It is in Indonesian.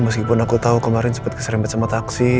meskipun aku tahu kemarin sempat keserempet sama taksi